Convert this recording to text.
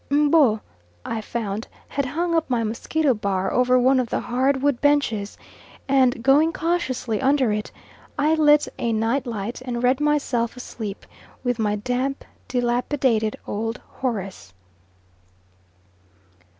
M'bo, I found, had hung up my mosquito bar over one of the hard wood benches, and going cautiously under it I lit a night light and read myself asleep with my damp dilapidated old Horace.